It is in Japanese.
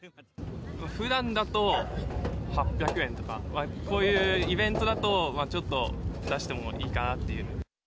ふだんだと８００円とか、こういうイベントだと、ちょっと出してもいいかなっていう。